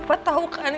pak tau kan